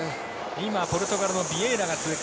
今、ポルトガルのビエイラが通過。